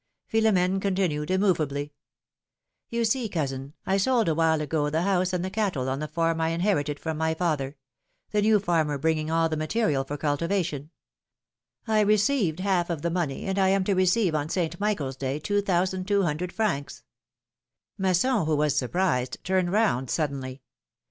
Philom^ne continued, immovably : You see, cousin, I sold a while ago the house and the cattle on the farm I inherited from my father ; the new farmer bringing all the material for cultivation : I received half of the money, and I am to receive on Saint Michaers day two thousand two hundred francs — Masson, who was surprised, turned round suddenly.